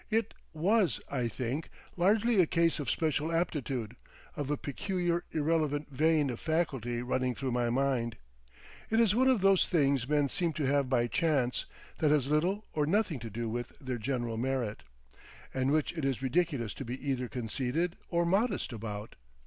It—was, I think, largely a case of special aptitude, of a peculiar irrelevant vein of faculty running through my mind. It is one of those things men seem to have by chance, that has little or nothing to do with their general merit, and which it is ridiculous to be either conceited or modest about.